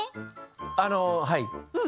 あのはい。